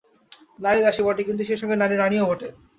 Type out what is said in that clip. নারী দাসী বটে, কিন্তু সেই সঙ্গে নারী রানীও বটে।